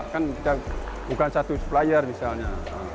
kan kita bukan satu supplier misalnya